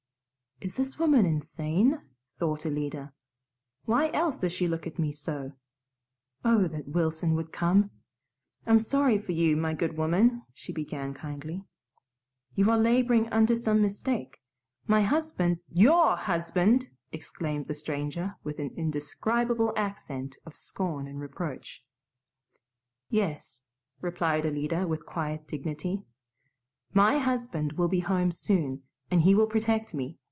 "Is this woman insane?" thought Alida. "Why else does she look at me so? Oh, that Wilson would come! I'm sorry for you, my good woman," she began kindly. "You are laboring under some mistake. My husband " "YOUR husband!" exclaimed the stranger, with an indescribable accent of scorn and reproach. "Yes," replied Alida with quiet dignity. "MY husband will be home soon and he will protect me.